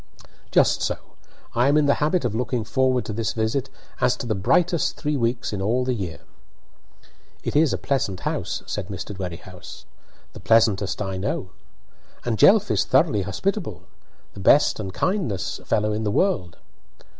"Just so. I am in the habit of looking forward to this visit as to the brightest three weeks in all the year." "It is a pleasant house," said Mr. Dwerrihouse. "The pleasantest I know." "And Jelf is thoroughly hospitable." "The best and kindest fellow in the world!"